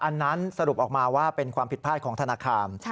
อันนั้นสรุปออกมาว่าเป็นความผิดพลาดของธนาคาร